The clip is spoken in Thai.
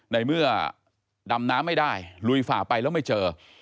ในเมื่อดำน้ำไม่ได้ลุยฝ่าไปแล้วไม่เจอ